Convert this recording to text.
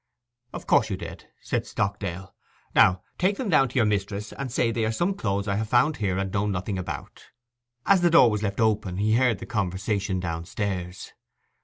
'Of course you did,' said Stockdale. 'Now take them down to your mis'ess, and say they are some clothes I have found here and know nothing about.' As the door was left open he heard the conversation downstairs.